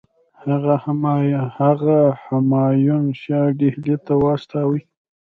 هغه همایون شاه ډهلي ته واستوي.